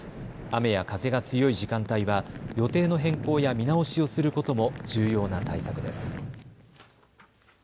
雨や風が強い時間帯は予定の変更や見直しをすることも重要な対策です。